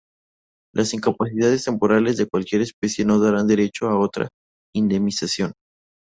Las incapacidades temporales de cualquiera especie no darán derecho a otra indemnización.